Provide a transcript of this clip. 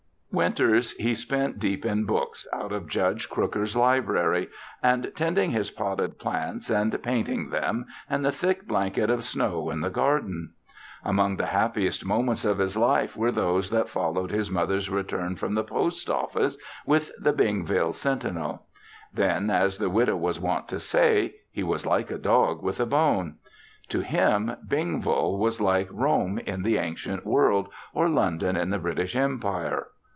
Winters he spent deep in books out of Judge Crooker's library and tending his potted plants and painting them and the thick blanket of snow in the garden. Among the happiest moments of his life were those that followed his mother's return from the post office with The Bingville Sentinel. Then, as the widow was wont to say, he was like a dog with a bone. To him, Bingville was like Rome in the ancient world or London in the British Empire.